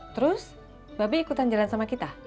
terus babi ikutan jalan sama kita